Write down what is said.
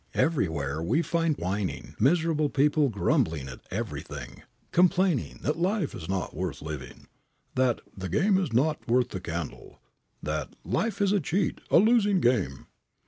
Everywhere we find whining, miserable people grumbling at everything, complaining that "life is not worth living," that "the game is not worth the candle," that "life is a cheat, a losing game."